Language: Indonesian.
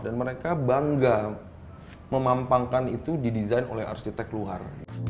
dan mereka bangga memampangkan itu didesain oleh arsitek luar